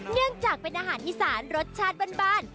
เนื่องจากเป็นอาหารอีสานรสชาติบ้าน